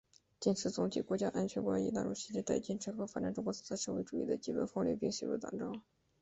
坚持总体国家安全观已纳入新时代坚持和发展中国特色社会主义的基本方略并写入党章